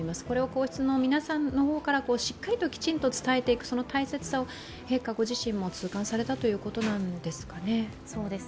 これを皇室の皆さんの方からしっかりときちんと伝えていく、その大切さを陛下ご自身も痛感されたということなんですかね。